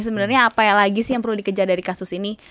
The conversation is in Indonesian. sebenarnya apa lagi sih yang perlu dikejar dari kasus ini